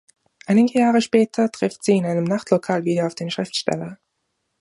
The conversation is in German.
Einige Jahre später trifft sie in einem Nachtlokal wieder auf den Schriftsteller.